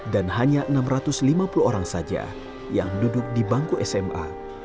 dan hanya enam ratus lima puluh orang saja yang duduk di bangku sma